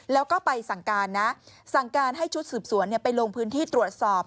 แล้วก็ไปสั่งการนะสั่งการให้ชุดสืบสวนไปลงพื้นที่ตรวจสอบ